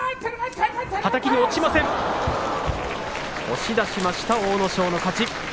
押し出しました阿武咲の勝ち。